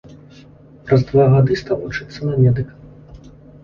Праз два гады стаў вучыцца на медыка.